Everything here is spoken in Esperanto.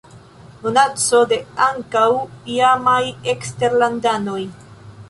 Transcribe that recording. Donaco de ankaŭ iamaj eksterlandanoj.